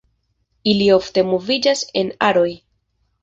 Ili ofte moviĝas en aroj.